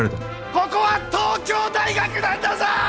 ここは東京大学なんだぞ！